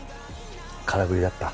空振りだった。